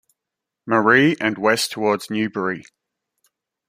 Marie and west towards Newberry.